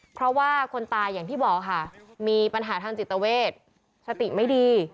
เพราะว่าคนตายอย่างที่บอกค่ะมีปัญหาทางจิตเวทสติไม่ดี